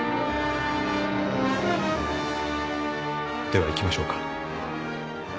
では行きましょうか。